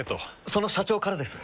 その社長からです。